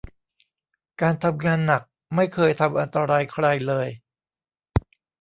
การทำงานหนักไม่เคยทำอันตรายใครเลย